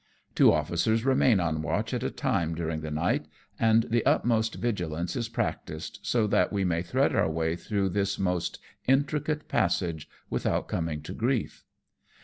TO NINGPO. 22 1 Two officers remain on watch at a time during the night, and the utmost vigilance is practised, so that we may thread our way through this most intricate passage without coming to grief.